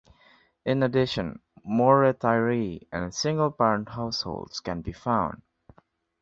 In addition, more retiree and single parent households can be found.